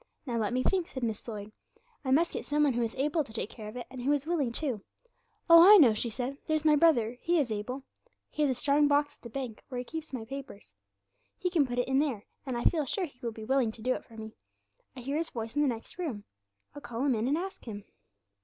Now let me think," said Miss Lloyd; "I must get some one who is able to take care of it, and who is willing too. Oh! I know," she said; "there's my brother he is able. He has a strong box at the bank, where he keeps his papers; he can put it in there, and I feel sure he will be willing to do it for me. I hear his voice in the next room; I'll call him in, and ask him."'